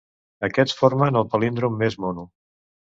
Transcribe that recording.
Aquests formen el palíndrom més mono.